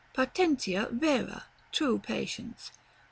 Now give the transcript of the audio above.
Patientia vera. True patience.